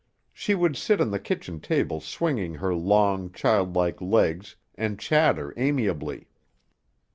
She would sit on the kitchen table swinging her long, childlike legs and chatter amiably.